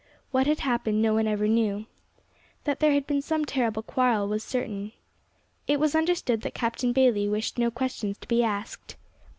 What had happened no one ever knew. That there had been some terrible quarrel was certain. It was understood that Captain Bayley wished no questions to be asked.